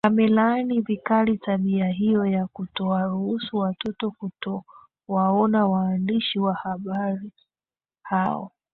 amelaani vikali tabia hiyo ya kutowaruhusu watu kutowaona waandishi wa habari hao